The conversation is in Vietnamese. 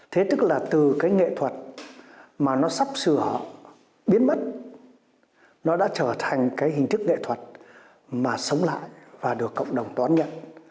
thế tức là từ cái nghệ thuật mà nó sắp sửa biến mất nó đã trở thành cái hình thức nghệ thuật mà sống lại và được cộng đồng đón nhận